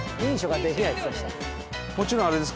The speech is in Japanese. もちろんあれですか？